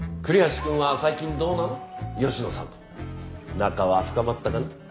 仲は深まったかな？